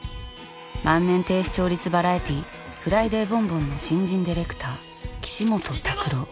万年低視聴率バラエティー「フライデーボンボン」の新人ディレクター岸本拓朗。